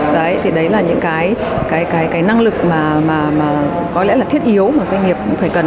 đấy thì đấy là những cái năng lực mà có lẽ là thiết yếu mà doanh nghiệp cũng phải cần